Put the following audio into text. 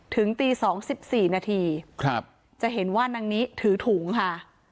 ถึงตี๒๑๔นาทีจะเห็นว่านางนิถือถุงค่ะ